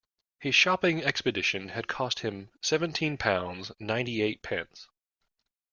His shopping expedition had cost him seventeen pounds, ninety-eight pence